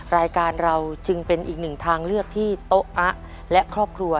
รายการเราจึงเป็นอีกหนึ่งทางเลือกที่โต๊ะอะและครอบครัว